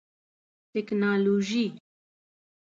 ټکنالوژي